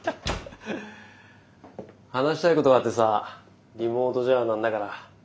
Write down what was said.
話したいことがあってさリモートじゃなんだから。